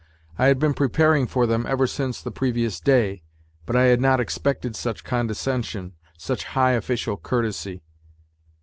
I had been preparing for them ever since the previous day, but I had not expected such condescension, such high official courtesy.